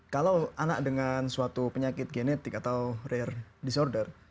kalau anak dengan suatu penyakit genetik atau rare disorder